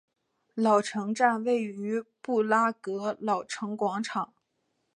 老城站位于布拉格老城广场。